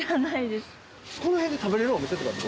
この辺で食べれるお店とかって。